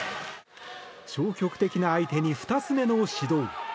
消極的な相手に２つ目の指導。